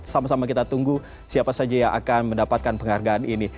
sama sama kita tunggu siapa saja yang akan mendapatkan penghargaan ini